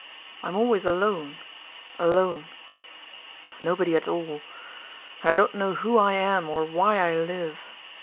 I'm always alone, alone; I've nobody at all... and I don't know who I am or why I live.